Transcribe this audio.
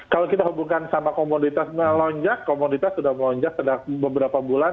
kalau kita hubungkan sama komoditas melonjak komoditas sudah melonjak beberapa bulan